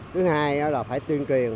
thứ hai là phải tuyên truyền